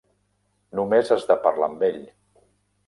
Només has de parlar amb ell.